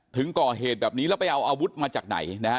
ถึงก่อเหตุแบบนี้แล้วไปเอาอาวุธมาจากไหนนะฮะ